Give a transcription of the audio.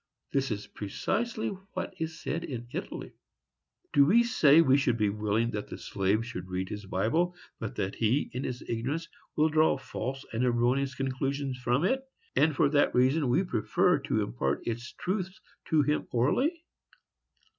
—This is precisely what is said in Italy. Do we say we should be willing that the slave should read his Bible, but that he, in his ignorance, will draw false and erroneous conclusions from it, and for that reason we prefer to impart its truths to him orally?